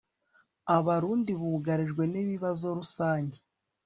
abarundi bugarijwe n'ibibazo rusange